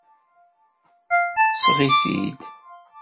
Seɣ-it-id!